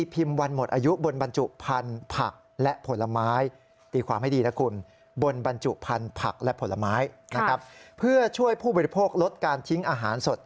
ผักและผลไม้เพื่อช่วยผู้บริโภคลดการทิ้งอาหารสด